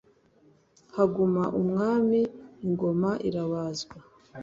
Haguma umwami ingoma irabazwa :